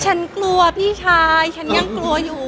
ฉันกลัวพี่ชายฉันยังกลัวอยู่